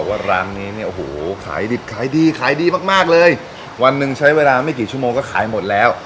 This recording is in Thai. ว่าร้านนี้เนี่ยโอ้โหขายดิบขายดีขายดีมากมากเลยวันหนึ่งใช้เวลาไม่กี่ชั่วโมงก็ขายหมดแล้ว